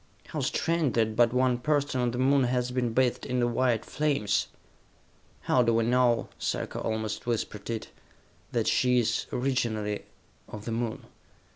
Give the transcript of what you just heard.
"How strange that but one person on the Moon has been bathed in the white flames!" "How do we know," Sarka almost whispered it, "that she is, originally, of the Moon?